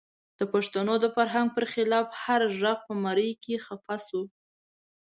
د پښتنو د فرهنګ پر خلاف هر غږ په مرۍ کې خفه شو.